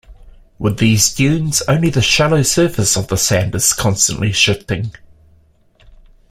With these dunes only the shallow surface of the sand is constantly shifting.